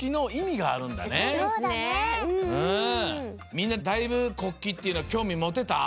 みんなだいぶ国旗っていうのきょうみもてた？